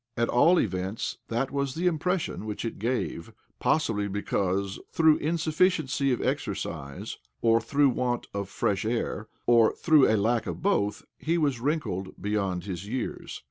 At all events, that was the impression which it gave — possibly because, through insufficiency of exercise, or through want of fresh air, or through a lack of both, he was wrinkled beyond his years